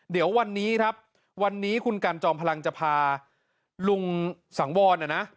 เดี๋ยววันนี้ครับวันนี้คุณกันจอมพลังจะพาลุงสังวรเนี่ยนะ